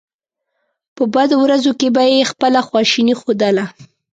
په بدو ورځو کې به یې خپله خواشیني ښودله.